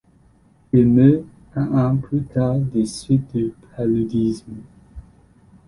Il meurt un an plus tard des suites du paludisme.